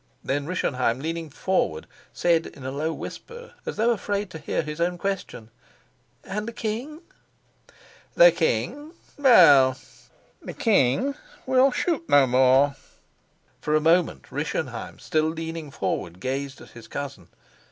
Then Rischenheim, leaning forward, said in a low whisper, as though afraid to hear his own question: "And the king?" "The king? Well, the king will shoot no more." For a moment Rischenheim, still leaning forward, gazed at his cousin.